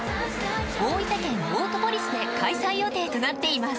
大分県オートポリスで開催予定となっています